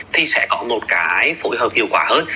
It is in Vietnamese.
thì sẽ có một cái phối hợp hiệu quả hơn